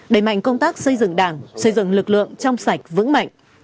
đẩy mạnh công tác xây dựng đảng xây dựng lực lượng trong sạch vững mạnh